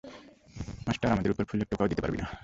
Master, আমাদের ওপর ফুলের টোকাও দিতে পারবি না।